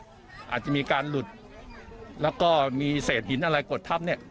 อาจจะมีการหลุดแล้วก็มีเศษหินอะไรกดทับเนี่ย